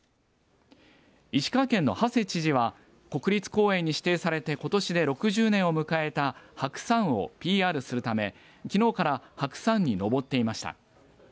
石川県の馳知事は国立公園に指定されてことしで６０年を迎えた白山をＰＲするためきのうから白山に登っていました。